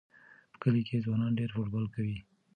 په کلي کې ځوانان ډېر فوټبال کوي.